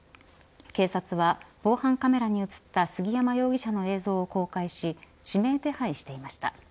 警察は防犯カメラに映った杉山容疑者の映像を公開し指名手配していました。